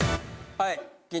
はい。